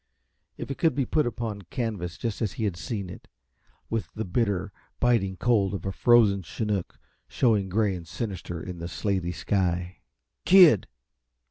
If it could be put upon canvas just as he had seen it, with the bitter, biting cold of a frozen chinook showing gray and sinister in the slaty sky "Kid!"